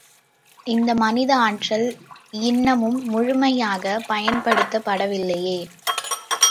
இந்த மனித ஆற்றல் இன்னமும் முழுமையாகப் பயன்படுத்தப் படவில்லையே!